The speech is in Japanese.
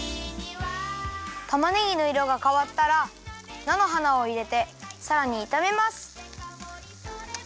たまねぎのいろがかわったらなのはなをいれてさらにいためます。